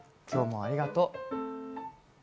今日もありがと。